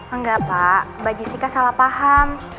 enggak pak mbak jessica salah paham